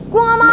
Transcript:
gue gak mau